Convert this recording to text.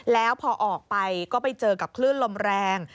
แล้วพอออกไปก็ไปเจอกับคลื่นลมแรง